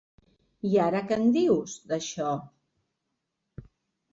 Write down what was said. I ara què en dius d'això?